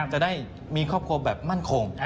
จะได้มีครอบครัวแบบมั่นคง